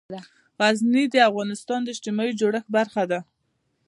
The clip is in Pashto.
غزني د افغانستان د اجتماعي جوړښت برخه ده.